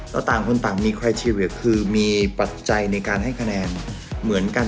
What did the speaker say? เขาต่างคนต่างมีความคิดวิที่อยู่คือมีปัจจัยในการให้คะแนนเหมือนกัน